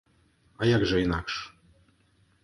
А як жа інакш.